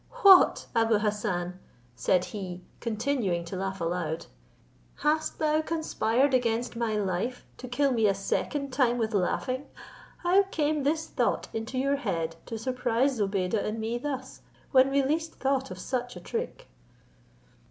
"What, Abou Hassan," said he, continuing to laugh aloud, "hast thou conspired against my life, to kill me a second time with laughing? How came this thought into your head, to surprise Zobeide and me thus, when we least thought of such a trick?"